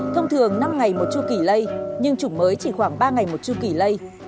thông thường năm ngày một chu kỷ lây nhưng chủng mới chỉ khoảng ba ngày một chu kỷ lây